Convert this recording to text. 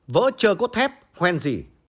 vỡ trơ cốt thép hoen dì